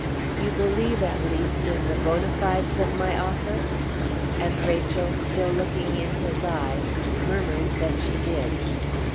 "You believe, at least, in the bona fides of my offer?" And Rachel, still looking in his eyes, murmured that she did.